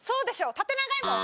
縦長いもん。